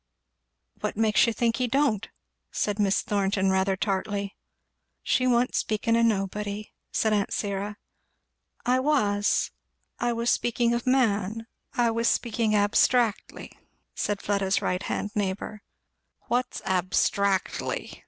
"What makes you think he don't?" said Miss Thornton rather tartly. "She wa'n't speaking o' nobody," said aunt Syra. "I was I was speaking of man I was speaking abstractly," said Fleda's right hand neighbour. "What's abstractly?"